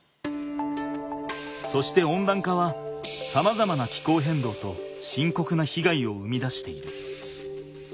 そして温暖化はさまざまな気候変動としんこくなひがいを生み出している。